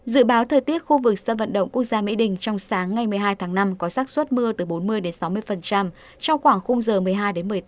dự báo thời tiết khu vực sân vận động quốc gia mỹ đình trong sáng ngày một mươi hai tháng năm có sắc xuất mưa từ bốn mươi sáu mươi trong khoảng khung giờ một mươi hai một mươi tám